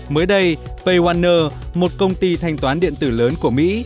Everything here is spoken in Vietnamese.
mới đây paywaner một công ty thanh toán điện tử lớn của mỹ